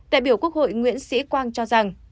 đại biểu quốc hội nguyễn sĩ quang cho rằng